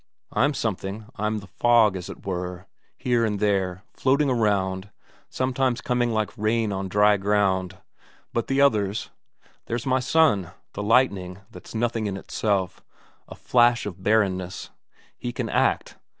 I'm something, I'm the fog, as it were, here and there, floating around, sometimes coming like rain on dry ground. But the others? There's my son, the lightning that's nothing in itself, a flash of barrenness; he can act.